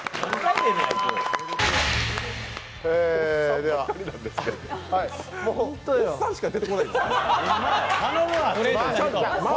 ではおっさんしか出てこないんですか？